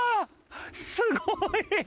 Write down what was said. すごい！